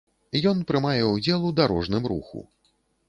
Ён прымае ўдзел у дарожным руху.